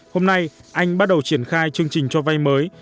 hôm nay anh bắt đầu triển khai chương trình cho vay mới